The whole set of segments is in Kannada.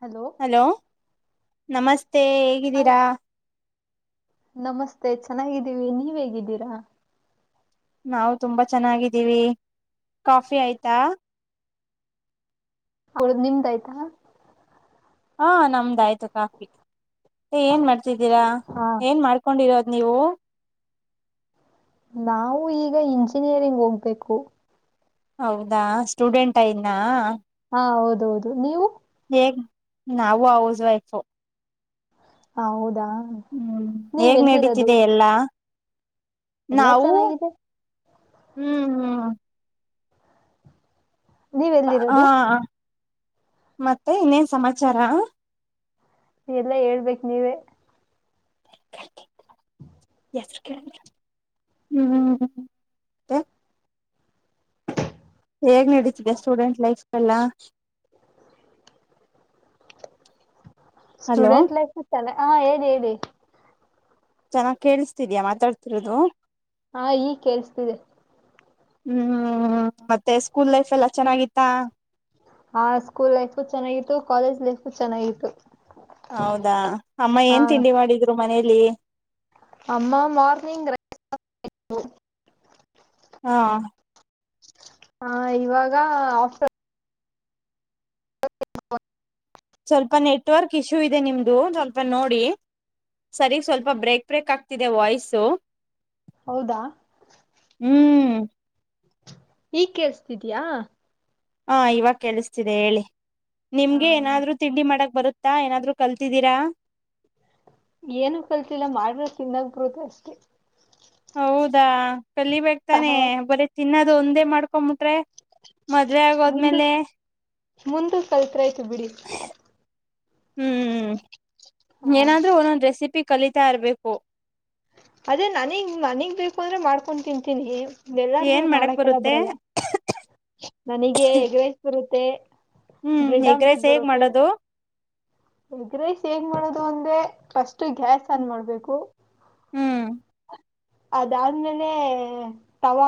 ಹಲೋ ನಮಸ್ತೆ ಮತ್ತೆ ಹಾಯ್ ಹೇಗಿದ್ದೀರಾ ನಮಸ್ತೆ ಚೆನ್ನಾಗಿದ್ದೀವಿ ನೀವ್ ಹೇಗಿದ್ದೀರಾ ನಾವು ತುಂಬಾ ಚೆನ್ನಾಗಿದ್ದೀವಿ ಕಾಫಿ ಆಯ್ತಾ ಸರಿ ನಿಮ್ದ ಆಯ್ತಾ ಹಾ ನಮ್ಮದಾಯ್ತು ಕಾಫಿ ಏನ್ ಮಾಡ್ತಿದ್ದೀರಾ ಹಾ ಏನ್ ಮಾಡ್ಕೊಂಡಿರೋ ನೀವು ನಾವು ಈಗ ಇಂಜಿನಿಯರಿಂಗ್ ಹೋಗ್ಬೇಕು ಹೌದಾ ಸ್ಟೂಡೆಂಟ್ ಇನಾ ಹ ಹೌದು ಹೌದು ನೀವು ಏನ್ ನಾವು ಹೌಸ್ ವೈಫ್ ಹೌದು ಹ್ಮ್ ಹೇಗ್ ನಡೀತಿದೆ ಎಲ್ಲಾ ಎಲ್ಲಾ ನಾವು ಚೆನ್ನಾಗಿದೆ ಹ್ಮ್ ಹ್ಮ್ ನೀವ್ ಎಲ್ಲಿರೋದು ಹಾ ಮತ್ತೆ ಇನ್ನೇನ್ ಸಮಾಚಾರ ಎಲ್ಲಾ ಹೇಳ್ಬೇಕ ನೀವೇ ಹ್ಮ್ ಹೇಗ್ ನಡೀತಿದೆ ಸ್ಟೂಡೆಂಟ್ ಲೈಫ್ ಎಲ್ಲ ಹಲೋ ಸ್ಟೂಡೆಂಟ್ ಲೈಫ್ ಇತ್ತಲ್ಲ ಹಾ ಓದು ಓದು ಚೆನ್ನಾಗ್ ಕೇಳಿಸುತಿದಿಯ ಮಾತಾಡ್ತಿರೋದು ಹಾ ಈ ಕೇೇಳಸ್ತಿದೆ ಹ್ಮ್ ಮತ್ತೆ ಸ್ಕೂಲ್ ಲೈಫ್ ಎಲ್ಲ ಚೆನ್ನಾಗಿತ್ತಾ ಹಾ ಸ್ಕೂಲ್ ಲೈಫು ಚೆನ್ನಾಗಿತ್ತು ಕಾಲೇಜ್ ಲೈಫು ಚೆನ್ನಾಗಿತ್ತು ಹೌದಾ ಅಮ್ಮ ಹಾ ಏನ್ ತಿಂಡಿ ಮಾಡಿದ್ರು ಮನೇೆಲ್ಲಿ ಅಮ್ಮ ಮಾರ್ನಿಂಗ್. ಹಾ. ಹಾ ಇವಾಗ ಆಫ. ಹ. [unintelligible] ಸ್ವಲ್ಪ ನೆಟ್ವರ್ಕ್ ಇಶ್ಯೂ ಇದೆ ನಿಮ್ದು ಸ್ವಲ್ಪ ನೋಡಿ ಸರಿಗ್ ಸ್ವಲ್ಪ ಬ್ರೇಕ್ ಬ್ರೇಕ್ ಆಗ್ತಿದೆ ವಾಯ್ಸು. ಹೌದಾ. ಹ್ಮ್ ಈಗ್ ಕೇಳ್ಸದೀಯಾ. ಹಾ ಇವಾಗ ಕೇಳಸ್ತಿದೆ ಹೇಳಿ. ನಿಮ್ಗೆ ಹಾ ಏನಾದ್ರು ತಿಂಡಿ ಮಾಡಕ್. ಬರುತ್ತಾ ಏನಾದ್ರು ಕಲ್ತಿದ್ದೀರಾ ಏನು ಕಲ್ತಿಲ್ಲ ಮಾಡ್ರ ತಿನ್ನಾಕ್ ಬರುತ್ತೆ ಅಷ್ಟೇ ಹೌದಾ ಕಲಿಬೇಕಕ್ ತಾನೆ ಹ ಬರೀ ತಿನ್ನದ ಅದು ಒಂದೇ ಮಾಡ್ಕೊಂಬಟ್ರೆ ಮುಂದ ಮುಂದ ಕಲ್ತ್ರ ಆಯ್ತು ಬಿಡಿ. ಹ್ಮ್ ಹ ಏನಾದ್ೂ ಒಂದೊಂದ್ ರೆಸಿಪಿ ಕಲಿತಾ ಇರ್ಬೇಕು ಅದೇ ನನಗ್ ನನಗ್ ಬೇಕು ಅಂದ್ರೆ ಮಾಡ್ಕೊಂಡ್ ತಿನ್ಂತೀನಿ. ಎಲ್ಲಾರ್ಗೂ ಏನ್ ಮಾಡಕ್ ಮಾಡಕಲ್ಲ ಬರುತ್ತೆ ಬರಲ್ಲ ನನಗೆ ಎಜ ವಯಸ್ರುತ್ತ. ತ್ತೆ ಹ್ಮ್ ಹೆಗ್ರಸ ಹೇಗ್ ಮಾಡೋದು. ಹೆಗ್ರೈಸ್ ಹೇಗ್ ಮಾಡದು ಅಂದ್ರೆ ಫಸ್ಟ್ ಗ್ಯಾಸ್ ಹ್ಮ್ ಆನ್ ಮಾಡ್ಬೇಕು. ಅದಾದ್ಮೇಲೆ ತವ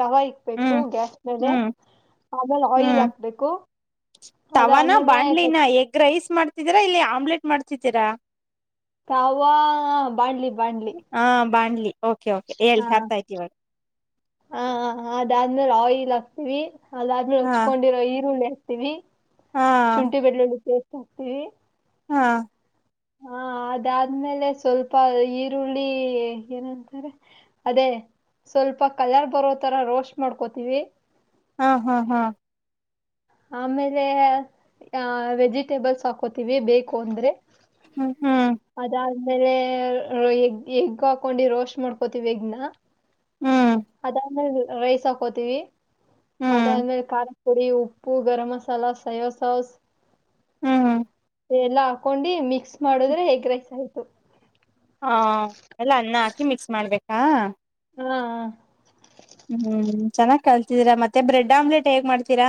ತವಾ ಇಕ್ಬೇಕು ಹ್ಮ್ ಗ್ಯಾಸ್ ಮೇಲೆ ಹ್ಮ್ ಆಮೇಲೆ ಆಯಿಲ್ ಹ್ಮ್ ಹಾಕ್ಬೇಕು ತವಾನ ಅದಾದ್ಮೇಲ ಬಾಣ್ಲಿನ ಎಗ್ ರೈಸ್ ಮಾಡ್ತಿದ್ದೀರಾ ಇಲ್ಲಿ ಆಮ್ಲೆಟ್ ಮಾಡ್ತಿದ್ದೀರಾ. ಕಾವ ಬಾ್ಲಿ. ಹಾ. ಬಡ್ಲಿ ಹಾ ಹ ಅದಾದ್ಮ ಅಹಿಲ್ ಲ ಆ್ತಿೀವಿ. ಅದಾದ್ಮೇಲೆ ಹಾ ಹೊಚ್ಕೊಂಡಿರೋ ಈರುಳ್ಳೆ. ವಿ ಹಾ ಶುಂಠಿ ಬೆಳ್ಳುಳ್ಳಿ ಪೇಸ್ಟ್ ಸಿಗ್ತೀವಿ. ಹಾ. ಹಾ ಅದಾದ್ಮೇಲೆ ಸ್ವಲ್ಪ ಈರುಳ್ಳಿ ಏನಂತಾರೆ ಅದೇ ಸ್ವಲ್ಪ ಕಲರ್ ಬರೋ ತರ ರೋಸ್ಟ್ ಮಾಡ್ಕೋತೀವಿ. ಹಾ ಹಾ ಹಾ ಆಮೇಲೆ ವೆಜಿಟೇಬಲ್ಸ್ ಹಾಕೋತೀವಿ ಬೇಕು ಅಂದ್ರೆ ಹ್ಮ ಹ್ಮ್ ಆಮೇಲೆ ಎಗ್ ಎಗ್ ಹಾಕೊಂಡು ರೋಸ್ ಮಾಡ್ಕೋತಿೀವಿ ಎಗ್ನ ಹ್ಮ್ ಅದ್ಮೇಲೆ ರೈಸ್ ಹಾಕೋತೀವಿ ಅದ ಹ್ಮ್ ಅಂದ್ಮೇಲೆ ಕ ಪುರಿ ಉಪ್ಪು ಗರಂ ಮಸಾಲಾ ಸೊಯ ಸಾಸ್ ಹ್ಮ್ ಎಲ್ಲ ಹಾಕೊಂಡಿ ಮಿಕ್ಸ್ ಮಾಡೋದ್ರೆ ಹೇಗ ರೈಸ್ ಆಯತು ಹ ಹಾ ಎಲ್ಲ ಅನ್ನ ಮಿಕ್ಸ್ ಮಾಡ್ಬೇಕಾ ಹ್ಮ ಹ್ಮ್ ಚೆನ್ನಾಗ್ ಕಲ್ತಿದ್ದೀರಾ ಮತ್ತೆ ಬ್ರೆಡ್ ಆಮ್ಲೆಟ್ ಹೇಗ್ ಮಾಡ್ತೀರಾ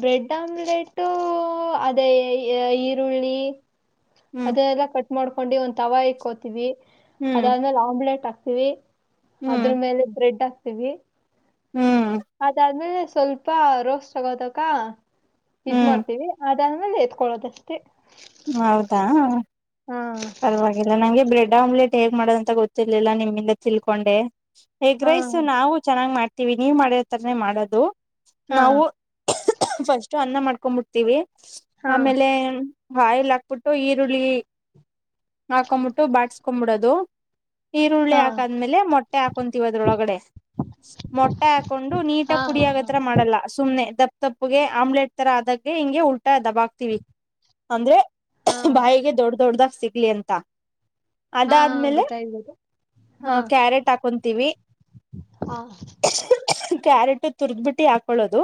ಬ್ರೆಡ್ ಆಮ್ಲೆಟ್ಟು ಅದೇ ಈರುಳ್ಳಿ ಹ್ಮ್ ಅದೆಲ್ಲ ಕಟ್ಟ ಮಾಡ್ಕೊಂಡು ಒಂದ್ ತವಾಯ ಇಕ್ಕೋತೀವಿ ಹ್ಮ್ ಅದಾದ್ಮೇಲೆ ಆಮ್ಲೆಟ್ ಆಗ್ತದೆ ಇ ಅದ್ರ ಹ್ಮ್ ಮೇಲೆ ಬ್ರೆಡ್ ಹ ಇವೂ ಹ್ಮ್ ಅದಾದ್ಮೇಲೆ ಸ್ವಲ್ಪ ರೋಸ್ಟ್ ಆಗೋತಕ ಇದು ಹ್ಮ್ ಮಾಡ್ತೀವಿ ಅ ಮನೆಲ್ಲಿ ಎತ್ಕೊಳ್ಳೋದಷ್ಟೇ ಹೌದಾ ಹಾ ಪರವಾಗಿಲ್ಲ ನಂಗೆ ಬ್ರೆಡ್ ಆಮ್ಲೆಟ್ ಹೇಗ್ ಮಾಡೋದಂತ ಗೊತ್ತಿರ್ಲಿಲ್ಲ ನಿಮ್ಮಿಂದ ತಿಳ್ಕೊಂಡೆ ಹಾ ಎಗ್ರೈಸು ನಾವು ಚೆನ್ನಾಗ್ ಮಾಡ ವಿ ನೀವ್ ಮಾಡಿತರನೇ ಮಾಡೋದು ಹಾ ನಾವು ಸ್ಟ್ ಅನ್ನ ಮಾಡ್ಕೊಂಡ್ಬಿಡ್ತೀವಿ ಹಾ ಆಮೇಲೆ ಬಾಯಲ್ ಹಾಕ್ಬಿಟ್ಟು ಈರುಳ್ಳಿ ಹಾಕೊಂಬಿಟ್ಟು ಬಾಟ್ಸ್ಕೊಬಿಡದು ಈರುಳ್ಳಿ ಹಾ ಹಾಕಾದ್ಮೇಲೆ ಮೊಟ್ಟೆ ಹಾಕೊಂತೀವಿ ಅದ್ರೊಳಗಡೆ ಮೊಟ್ಟೆ ಹಾಕೊಂಡು ನೀಟು ಹಾ ಪುಡಿ ಆಗತ್ರ ಹಾ ಮಾಡಲ್ಲ ಸುಮ್ನೆ ದಪ್ಪ ತಪ್ಪುಗೆ ಆಮ್ಲೆಟ್ ತರ ಆದಕ್ಕೆ ಹಂಗೆ ಉಲ್ ದಬ ಆಕ್ತಿವಿ ಅಂದ್ರೆ ಹಾ ಬಾಯಿಗೆ ದೊಡ್ಡ ದೊಡ್ಡ್ದ ಸಿಗ್ಲಿ ಅಂತ ಹಾ ಅದಾದ್ಮೇಲೆ ಗೊತ್ತಾಯ್ತು ಗೊತ್ತಾಯ್ತು ಹಾ ಕ್ಯಾರೆಟ್ ಹಾಕೊಂತೀವಿ ಹಾ ಕ್ಯಾರೆಟ್ ತುರ್ದ್ಬಿಟ್ಟು ಹಾಕೊಳ್ಳೋದು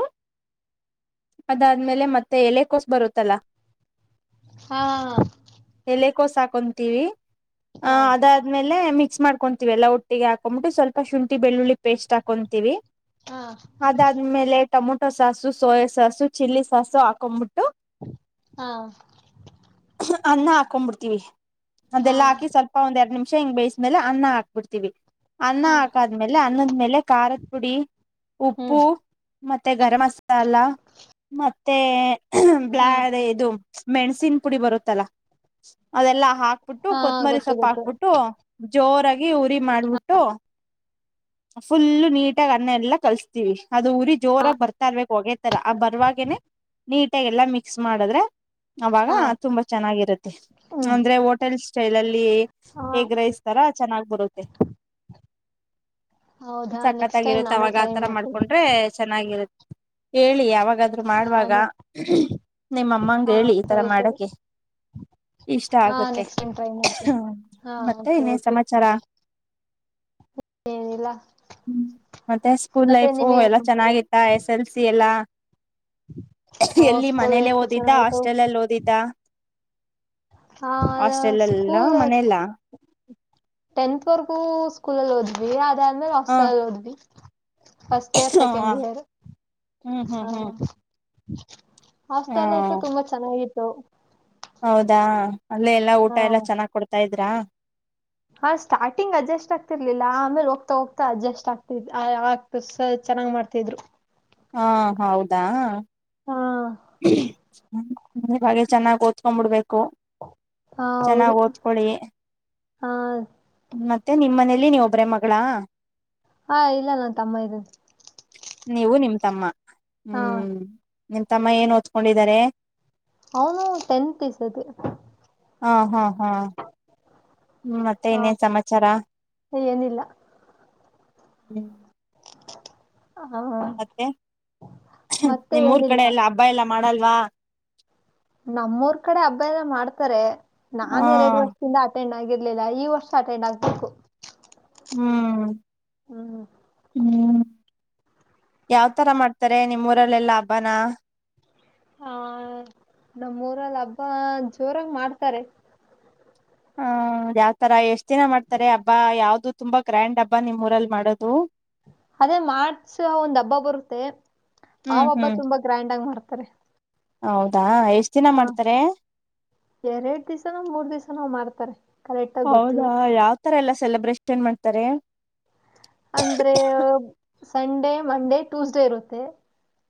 ಅದಾದ್ಮೇಲೆ ಮತ್ತೆ ಎಲೆ ಕೋಸ ಬರುತ್ತಲ್ಲ ಹಾ ಎಲೆ ಕೋಸು ಹಾಕೊಂತೀವಿ ಹ ಹಾ ಅದಾದ್ಮೇಲೆ ಮಿ ಮಿಕ್ಸ್ ಮಾಡ್ಕೊಂತೀವಿ ಎಲ್ಲ ಒಟ್ಟಿಗೆ ಹಾಕೊಂಡುಬಿಟ್ಟು ಸ್ವಲ್ಪ ಶುಂಠಿ ಬೆಳ್ಳುಳ್ಳಿ ಪೇಸ್ಟ್ ಹಾಕೊಂತೀವಿ ಹಾ ಅದಾದ್ಮೇಲೆ tomato sauce soya sauce chilli sauce ಹಾಕೊಂಡ್ಬಿಟ್ಟು ಹಾ ಅನ್ನ ಹಾಕೊಂಡ್ಬುಬಿಡ್ತೀವಿ ಹಾ ಅದೆಲ್ಲ ಹಾಕಿ ಸ್ವಲ್ಪ ಒಂದ ಎರಡ್ ನಿಮಿಷ ಚೆನ್ನ ಬೇಯಸ್ಮೇಲೆ ಅನ್ನ ಹಾಕ್ಬಿಡ್ತೀವಿ ಅನ್ನ ಹಾ ಹಾಕಾದ್ಮೇಲೆ ಅನ್ನದ್ಮೇಲೆ ಖಾರದ ಪುಡಿ ಹ್ಮ್ ಉಪ್ಪು ಮತ್ತೆ ಗರಂ ಮಸಾಲ ಮತ್ತೆ ಹ ಹಾ ಬ್ಲಾ ಇದು ಮೆಣಸಿನ ಪುಡಿ ಬರುತ್ತಲ್ಲಾ ಅದೆಲ್ಲಾ ಹಾ ಹಾಕ್ಬಿಟ್ಟು ಹಾ ಕೊತ್ಮರಿ ಗೊತ್ತು ಸೊಪ್ಪ ಗೊತ್ತು ಹಾಕ್ಬಿಟ್ಟು ಜೋರಾಗಿ ಊರಿ ಮಾಡ್ಬಿಟ್ಟು ಫುಲ್ಲು ನೀಟಾಗಿ ಅನ್ನ ಎಲ್ಲಾ ಕಲ್ಸ್ತೀವಿ ಊರಿ ಜೋರಾಗಿ ಬರ್ತಾ ಇರರ್ಬೇಕು ಹೊಗೇ ತರ ಆ ಬರುವವಾಗೆನೆ ನೀಟಾಗಿ ಎಲ್ಲಾ ಮಿಕ್ಸ್ ಮಾಡಿದ್ರೆ ಅವಾಗ ಹಾ ತುಂಬಾ ಚೆನ್ನಾಗಿರುತ್ತೆ ಹ್ಮ್ ಅಂದ್ರೆ ಓಟ [unintelligible] ಚೃಲಲ್ಲಿ ಅಲ್ಲಿ ಹಾ ಏಗ್ ರೈಸುತರ ಚೆನ್ನಾಗ್ ಬರುತ್ತೆ ಹೌದಾ ನೆಕ್ಸ್ಟ್ ಟೈಮ್ ಸಕ್ಕತ್ತಾಗಿರುತ್ತೆ ನಾನು ಅವಾಗ ಟ್ರೈ ಆತರ ಮಾಡ್ತೀನಿ ಮಾಡ್ಕೊಂಡ್ರೆ ಚೆನ್ನಾಗಿರುತ್ತೆ ಹೇಳಿ ಯಾವಾಗಾದ್ರರು ಹಾ ಮಾಡುವಾಗ ನಿಮ್ಮ ಅಮ್ಮಂಗ ಹಾ ಹೇಳಿ ಈತರ ಸರಿ ಸರಿ ಮಾಡಕೆ ಇಷ್ಟ ಹಾ ಆಗುತ್ತೆ ನೆಕ್ಸ್ಟ್ ಟೈಮ್ ಟ್ರೈ ಹ ಮಾಡ್ತೀನಿ ಹಾ ಮತ್ತೆ ಓಕೆ ಇನೇನು ಓಕೆ ಸಮಾಚಾರ ಏನಿಲ್ಲ ಹ್ಮ ಮತ್ತೆ ಸ್ಕೂಲ್ ಮತ್ತೆ ಲೈಫು ನಿಮಗೆ ಎಲ್ಲ ಚೆನ್ನಾಗಿತ್ತ ಎಸ್ ಎಲ್ ಸಿ ಎಲ್ಲಾ ಎಲ್ಲಿ ಸ್ಕೂಲ್ ಮನೇಲ್ಲೇ ಲೈಫ್ ಓದಿದ್ದ ಚೆನ್ನಾಗಿತ್ತು ಹಾಸ್ಟೆಲ್ಲ್ಲಿ ಓದಿದ್ದ ಹಾ ಹಾಸ್ಟ್ರೇಲ್ ಯಲ್ಲಿನ ಸ್ಕೂಲ್ ಮನೆಲ್ಲ ಟೆಂತ್ ವರೆಗೂ ಸ್ಕೂಲಲ್ಲಿ ಓದಿದಿವಾ ಬೆಂಗಳೂರು ಹ ರಸೋಯ ಓದಿದ್ದೀವಿ ಫಸ್ಟ್ ಇಯರ್ ಸೆಕೆಂಡ್ ಇಯರ್ ಹ್ಮ್ ಹ್ಮ್ ಹ ಹ್ಮ್ [inaudible] ಹ ಹಾಸ್ಟೆಲ್ ಲೈಫ್ ತುಂಬಾ ಚೆನ್ನಾಗಿತ್ತು ಸರಿ ಹೌದಾ ಅಲ್ಲ ಎಲ್ಲ ಊಟ ಎಲ್ಲ ಚೆನ್ನಾಗ್ ಕೊಡ್ತಾ ಅ ಹಾ ಸ್ಟಾರ್ಟಿಂಗ್ ಅಡ್ಜಸ್ಟ್ ಆಗ್ತಿರ್ಲಿಲ್ಲ ಆಮೇಲೆ ಹೋಗ್ತಾ ಹೋಗ್ತಾ ಅಡ್ಜಸ್ಟ್ ಆಗ್ತ ಆತ ಚೆನ್ನಾಗ್ ಮಾಡ್ತಿದ್ರು ಹಾ ಹೌದಾ ಹಾ ಹಾಗೆ ಚೆನ್ನಾಗಿ ಓದ್ಕೋ ಬಿಡ್ಬೇಕು ಹಾ ಹಲೋ ಹೌದು ಚೆನ್ನಾಗಿ ಓದ್ಕೊಳ್ಳಿ ಹ ಮತ್ತೆ ನಿಮ್ಮ್ ಮನೆಲಿ ನೀವು ಒಬ್ಬರೇ ಮಕ್ಳ ಳಾ ಹಾ ಇಲ್ಲ ನನ್ನ ತಮ್ಮ ಇದನೇ ನೀವು ನಿಮ್ ತಮ್ಮ ಹ್ಮ್ ನಿಮ್ ತಮ್ಮ ಏನ್ ಓದ್ಕೊಂಡಿದ್ದಾರೆ ಅವನು ಟೆಂತ್ ಈ ಸತಿ ಹಾ ಹಾ ಹಾ ಹ್ಮ್ ಮತ್ತೆ ಹಾ ಇನೇನ್ ಸಮಾಚಾರ ಏನಿಲ್ಲ ಹ್ಮ್ ಹ ಮತ್ತೆ ಮತ್ತೆ ನಿಮ್ಮೂರ್ ಏನಿಲ್ಲ ಕಡೆ ಎಲ್ಲ ಹಬ್ಬ ಎಲ್ಲ ಮಾಡಲ್ವಾ ನಮ್ಮೂರ್ ಕಡೆ ಹಬ್ಬ ಎಲ್ಲ ಮಾಡ್ತಾರೆ ಹ ನಾನ್ ಎರಡು ವರ್ಷದಿಂದ ಆ ಅಟೆಂಡ್ ಆಗಿರ್ಲಿಲ್ಲ ಈ ವರ್ಷ ಅಟೆಂಡ್ ಆಗ್ಬೇಕು ಹ್ಮ್ ಹ್ಮ್ ಹ ಯಾವ್ತರ ಮಾಡ್ತಾರೆ ನಿಮ್ಮೂರಲ್ಲೆಲ್ಲಾ ಹಬ್ಬನ ಹಾ ನಮ್ಮೂರಲ್ಲಿ ಹಬ್ಬ ಜೋರಾಗು ಮಾಡ್ತಾರೆ ಹ ಯಾವ್ತರ ಎಷ್ಟ್ ದಿನ ಮಾಡ್ತಾರೆ ಹಬ್ಬಾ ಯಾವ್ದು ತುಂಬಾ ಗ್ರ್ಯಾಂಡ್ ಹಬ್ಬ ನಿಮ್ಮ ಊರಲ್ಲಿ ಮಾಡೋದು ಅದೇ ಮಾರ್ಚ್ ಒಂದ್ ಹಬ್ಬ ಬರುತ್ತೆ ಆ ಹ್ಮ್ ಹಬ್ಬ ಹ್ಮ್ ತುಂಬಾ ಗ್ರ್ಯಾಂಡ್ ಆಗಿ ಮಾಡ್ತ ತಾರೆ ಹೌದಾ ಎಷ್ಟ್ ದಿನ ಹಾ ಮಾಡ್ತಾರೆ ಎರಡ್ ದಿವ್ಸನೋ ಮೂರ್ ದಿವ್ಸನೋ ಮಾಡ್ತ ರೆ ಹೌದಾ ಯಾವ್ ತರ ಎಲ್ಲಾ ಸೆಲೆಬ್ರೇಷನ್ ಏನ್ ಮಾಡ್ತಾರೆ ಅಂದ್ರೆ ಸಂಡೇ ಮಂಡೇ ಟ್ಯೂಸ್ಡೇ ಇರುತ್ತೆ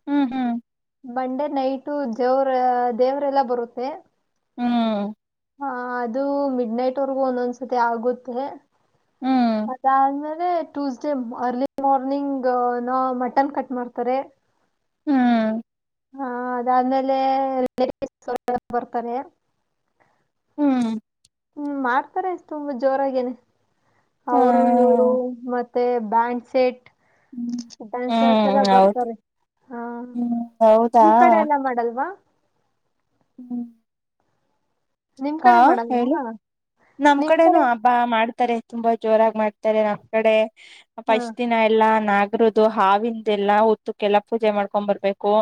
ಹ್ಮ್ ಹ್ಮ್ ಮಂಡೇ ನೈಟು ದೇವರು ದೇವರೆಲ್ಲಾ ಬರುತ್ತೆ ಹ್ಮ್ ಹಾ ಅದು ಮಿಡ್ ನೈಟುವರೆಗೂ ಒಂದೊಂದ್ಸತಿ ಆಗುತ್ತೆ ಹ್ಮ್ ಅದಾದ್ಮೇಲೆ Tuesday early morning no mutton cut ಮಾಡ್ತಾರೆ ಹ್ಮ್ ಹಾ ಅದಾದ್ಮೇಲೆ ಸ್ವಲ್ಪ ಹೊತ್ತು ಬರ್ತಾರೆ ಹ್ಮ್ ಹ್ಮ ಮಾಡ್ತಾರೆ ತುಂಬಾ ಜೋರಾಗೇನೆ ಹ ಅವರು ಇವರು ಮತ್ತೆ ಮತ್ತೆ ಬ್ಯಾಂಡ್ ಸೆಟ್ ಹ್ಮ್ ಡ್ಯಾನ್ ಸರ್ಕಲ್ ಹ್ಮ್ ಆಗೆ ಹೌದು ಬರ್ತಾರೆ ಹಾ ಹ್ಮ್ ಹೌದಾ ನಿಮ್ ಕಡೆ ಎಲ್ಲಾ ಮಾಡಲ್ವಾ ಹ್ಮ್ ನಿಮ್ ಹಾ ಕಡೆ ಮಾಡಲ್ವಾ ಹೇಳು ನಮ್ಮ ನಿಮ್ ಕಡೆನು ಕಡೆ ಹಬ್ಬಮಾಡ ತಾರೆ ತುಂಬಾ ಜೋರಾಗಿ ಮಾಡ್ತಾರೆ ನಮ್ಮ್ ಕಡೆ ಹಾ ಫಸ್ಟ್ ದಿನ ಎಲ್ಲಾ ನಾಗನಾಗ ರುತು ಹಾವಿಂದೆಲ್ಲಾ ಹುತ್ತಕ್ಕೆಲ್ಲಾ ಪೂಜೆ ಮಾಡ್ಕೊಂಡ್ ಬರರ್ಬೇಕು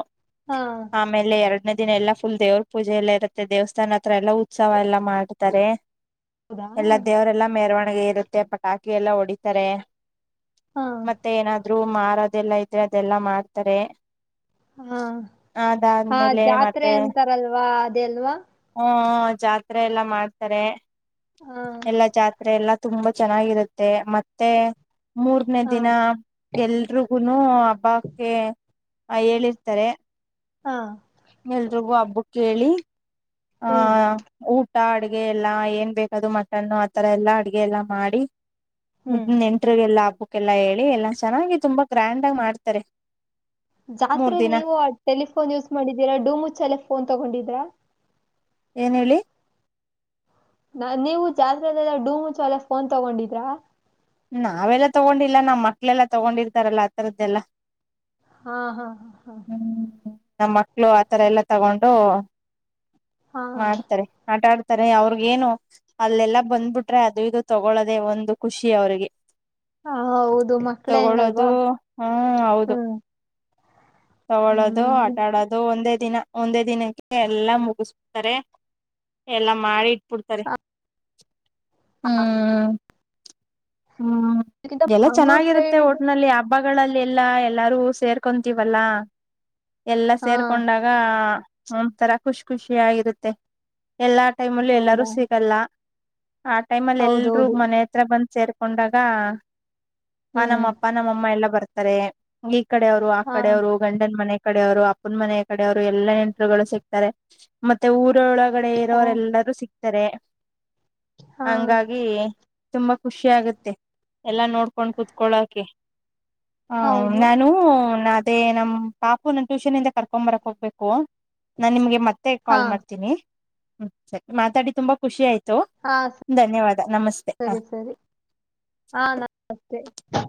ಹಾ ಆಮೇಲೆ ಎರಡು ದಿನ ಎಲ್ಲ ಫುಲ್ ದೇವ್ರ ಪೂಜೆ ಎಲ್ಲ ಇರುತ್ತೆ ದೇವಸ್ಥಾನ ಹತ್ರ ಎಲ್ಲ ಹೌದಾ ಎಲ್ಲಾ ದೇವರೆಲ್ಲಾ ಮೆರವಣಿಗೆ ಇರುತ್ತೆ ಪಟಾಕಿ ಎಲ್ಲ ಹೊಡಿತಾರೆ ಹಾ ಮತ್ತೆ ಏನಾದ್ರು ಅದೆಲ್ಲಾ ಇದ್ರೆ ಅದೆಲ್ಲಾ ಮಾಡ್ತಾರೆ ಹಾ ಹಾ ಅದಾದ್ಮೇಲೆ ಜಾತ್ರೆ ಮತ್ತೆ ಅಂತಾರಲ್ವಾ ಅದೆ ಅಲ್ವಾ ಹ್ಮ ಜಾತ್ರೆ ಎಲ್ಲಾ ಮಾಡ್ತಾರೆ ಹಾ ಎಲ್ಲಾ ಜಾತ್ರೆ ಎಲ್ಲ ತುಂಬಾ ಚೆನ್ನಾಗಿರುತ್ತೆ ಮತ್ತೆ ಮೂರನೇ ಹಾ ದಿನ ಎಲ್ರಿಗೂನು ಓಕ್ಕೆ ಹೇಳಿರ್ತಾರೆ ಹಾ ಎಲ್ರಿಗೂ ಹಬ್ಬ ಹೇಳಿ ಹಾ ಹ್ಮ್ ಊ ಅಡ್ಗೆ ಎಲ್ಲಾ ಏನ್ ಬೇಕದು ಮಟನ್ನು ಆತರ ಎಲ್ಲಾ ಅಡ್ಗೆ ಎಲ್ಲಾ ಮಾಡಿ ಹ್ಮ್ ನೆಂಟ್ರಿಗೆಲ್ಲ ಹಾಕ್ಬೇಕು ಎಲ್ಲಾ ಹೇಳಿ ಎಲ್ಲಾ ಚೆನ್ನಾಗಿ ತುಂಬಾ ಗ್ರ್ಯಾಂಡ್ ಆಗಿ ಮಾಡ್ತಾರೆ ಮೂರ್ ಜಾತ್ರೆ ದಿನ ನೀವು ಟೆಲಿಫೋನ್ ಯೂಸ್ ಮಾಡಿದ್ದೀರಾ ಡೂಮು ಚಲೆ ಫೋನ್ ತಗೊಂಡಿದ್ದೀ ಹಲೋ ಏನು ಹೇಳಿ ನಾ ನೀವು ಜಾತ್ರೆಲ್ಲೆಲ್ಲ ಡೂ ಮುುಚುಲ್ಲೆ ಫೋನ್ ತಗೊಂಡಿದ್ರಾ ನಾವೆಲ್ಲಾ ತಗೊಂಡಿಲ್ಲ ನಮ್ಮ್ ಮಕ್ಳೆಲ್ಲಾ ತಗೊಂಡಿರ್ತಾರಲ್ಲಾ ಆಥರದ್ದೆಲ್ಲಾ ಹಾ ಹಾ ಹಾ ಹಾ ನಮ್ಮ ಮಕ್ಳು ಆತರ ಎಲ್ಲಾ ತಗೊಂಡು ಹಾ ಹಾ ಮಾಡ್ತಾರೆ ಆಟ ಆಡ್ ತರೇ ಅವ್ರಗೇನು ಅಲ್ಲೆಲ್ಲಾ ಬಂದ್ಬಿಟ್ರೆ ಅದು ಇದು ತಗೊಳ್ಳದೆೇ ಒಂದು ಖುಷಿ ತಿ ಅವರಿಗೆ ಹಾ, ಹೌದು ಮಕ್ಳೇ ಹಂಗಲ್ವಾ ತಗೊಳ್ಳೋದು ಹ್ಮ ಹೌದು ಹ್ಮ್ ತಗೊಳ್ಳೋದು ಹ್ಮ್ ಆಟಾಡೋದು ಒಂದೇ ದಿನ ಒಂದೇ ದಿನಕ್ಕೆ ಎಲ್ಲಾ ಮುಗಿಸು ಬಿಡ್ತಾರೆ ಎಲ್ಲಾ ಮಾಡಿ ಕೊಡ್ತಾರೆ ಹಾ ಹ್ಮ್ ಎಲ್ಲ ಮಂಗ್ಳೂರ್ ಚೆನ್ನಾಗಿರುತ್ತೆ ಓಟ್ನಲ್ಲಿ ಹಬ್ಬಗಳಲ್ಲೆಲ್ಲಾ ಎಲ್ಲಾರು ಸೇರ್ಕೊಂತೀವಲ್ಲ ಎಲ್ಲ ಹಾ ಸೇರ್ಕೊಂಡಾಗ ಒ್ಥರಾ ಖುಷ್ ಖುಷಿಯಗಿರುತ್ತೆ ಎಲ್ಲಾ ಟೈಮ್ಲ್ಲಿ ಎಲ್ಲಾರೂ ಹೌದಾ ಸಿಗಲ್ಲ ಆ ಟೈಮ್ ಅಲ್ಲಿ ಎಲ್ರುೂ ಹೌದೌದು ಮನೆ ಹತ್ರ ಬಂದ ಸೇರಿಕೊಂಡಾಗ ಹಾ ಹ್ಮ್ ನಮ್ಮ ಅಪ್ಪ ನಮ್ಮ ಅಮ್ಮ ಎಲ್ಲಾ ಬರ್ತಾರೆ ತರೆ ನ ಈ ಕಡೆ ಅವರು ಆ ಹಾ ಕಡೆ ಅವ್ರು ಗಂಡನ ಮನೆ ಕಡವ್ರು ಅಪ್ಪನ ಮನೆಯ ಕಡೆಯವ್ರು ಎಲ್ಲಾ ಇಂಟರುಗಳು ಸಿಕ್ತಾರೆ ಮತ್ತೆ ಊರು ಹೋಳಗಡೆ ಹಾ ಇರೋರೆಲ್ಲರೂ ಸಿಕ್ಕ ಸರೆ ಹಾ ಹಂಗಾಗಿ ತುಂಬ ಖುಷಿ ಆಗತ್ತೆ ಎಲ್ಲಾ ನೋಡ್ಕೊಂಡ್ ಕುೂತ್ಕೊಳಕೆ ಹ ಹೌದು ನಾನು ನ ಮತ್ತೆ ನಮ್ಮ್ ಪಾಪು ನನ್ ಟ್ಯೂಷನ್ ಇಂದ ಕರ್ಕೊಂಡ್ ಬರಕ್ ಹೋಗ್ಬೇಕು ನಾನ್ ನಿಮ್ಗೆ ಮತ್ತೆ ಹಾ ಕಾಲ್ ಮಾಡ್ತೀನಿ ಹ್ಮ ಸರಿ ಮಾತಾಡಿ ತುಂಬಾ ಖುಷಿ ಆಯ್ತು ಹಾ ಧನ್ಯವಾದ ನಮಸ್ತೆ ಹ ಸರಿ ಸರಿ ಹಾ ನ ಓಕೆ ಹಾ